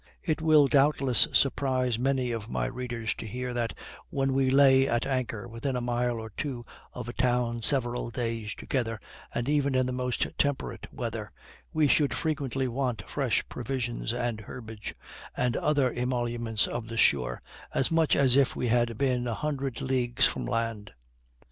It will, doubtless, surprise many of my readers to hear that, when we lay at anchor within a mile or two of a town several days together, and even in the most temperate weather, we should frequently want fresh provisions and herbage, and other emoluments of the shore, as much as if we had been a hundred leagues from land.